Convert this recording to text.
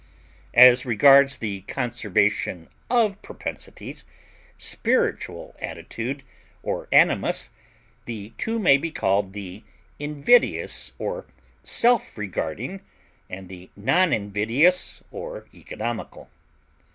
As regards the conservation of propensities, spiritual attitude, or animus, the two may be called the invidious or self regarding and the non invidious or economical.